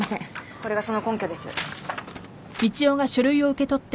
これがその根拠です。